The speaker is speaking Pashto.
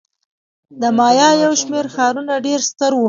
د مایا یو شمېر ښارونه ډېر ستر وو.